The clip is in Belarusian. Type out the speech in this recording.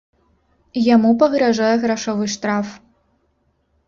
Яму пагражае грашовы штраф.